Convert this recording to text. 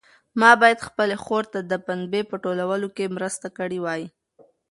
ما باید خپلې خور ته د پنبې په ټولولو کې مرسته کړې وای.